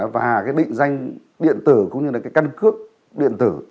và định danh điện tử cũng như là căn cước điện tử